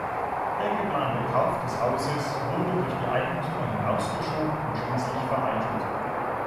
Der geplante Kauf des Hauses wurde durch die Eigentümer hinausgeschoben und schließlich vereitelt.